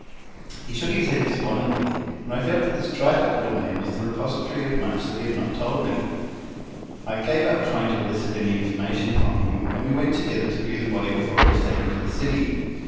He shook his head despondently, and I felt that this dried up little man was the repository of much that he had not told me. I gave up trying to elicit any information from him, and we went together to view the body before it was taken to the city.